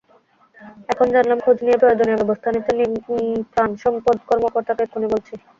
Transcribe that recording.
এখন জানলাম, খোঁজ নিয়ে প্রয়োজনীয় ব্যবস্থা নিতে প্রািণসম্পদ কর্মকর্তাকে এক্ষুনি বলছি।